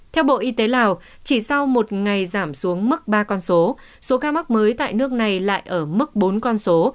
theo bộ y tế lào chỉ sau một ngày giảm xuống mức ba con số số ca mắc mới tại nước này lại ở mức bốn con số